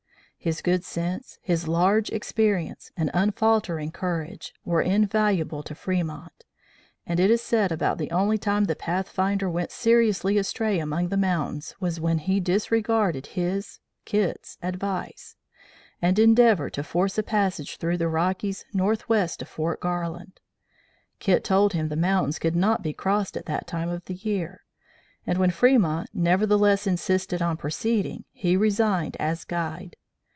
His good sense, his large experience, and unfaltering courage, were invaluable to Fremont, and it is said about the only time the Pathfinder went seriously astray among the Mountains was when he disregarded his (Kit's) advice, and endeavored to force a passage through the Rockies northwest of Fort Garland. Kit told him the mountains could not be crossed at that time of the year; and, when Fremont nevertheless insisted on proceeding, he resigned as guide.